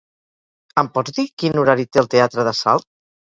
Em pots dir quin horari té el teatre de Salt?